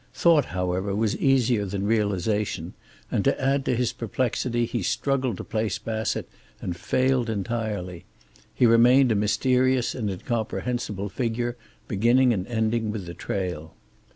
Thought, however, was easier than realization, and to add to his perplexity, he struggled to place Bassett and failed entirely. He remained a mysterious and incomprehensible figure, beginning and ending with the trail.